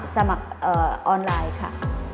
สมัครออนไลน์ค่ะ